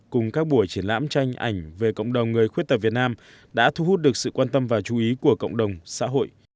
cùng các buổi triển lãm tranh ảnh về cộng đồng người khuyết tật việt nam đã thu hút được sự quan tâm và chú ý của cộng đồng xã hội